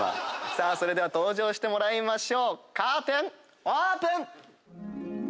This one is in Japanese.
それでは登場してもらいましょうカーテンオープン！